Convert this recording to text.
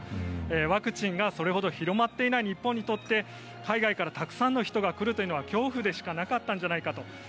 ワクチンがそれほど広まっていない日本にとって海外からたくさんの人が来るというのは恐怖でしかなかったんじゃないかと。